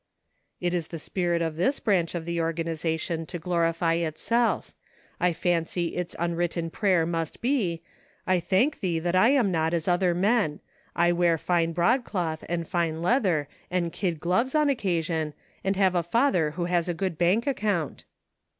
231 " It is the spirit of this branch of the organiza tion to glorify itself ; I fancy its unwritten prayei must be :' I thank Thee that I am not as other men ; I wear fine broadcloth, and fine leather, and kid gloves on occasion, and have a father who has a good bank account.'